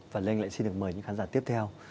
và lê anh lại xin được mời những khán giả tiếp theo